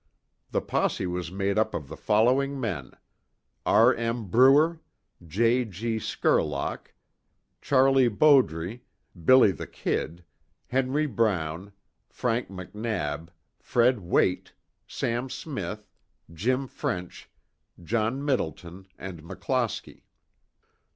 The posse was made up of the following men: R. M. Bruer, J. G. Skurlock, Charlie Bowdre, "Billy the Kid," Henry Brown, Frank McNab, Fred Wayt, Sam Smith, Jim French, John Middleton and McClosky.